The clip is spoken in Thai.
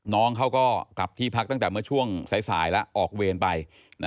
น้องเขาก็กลับที่พักตั้งแต่เมื่อช่วงสายแล้วออกเวรไป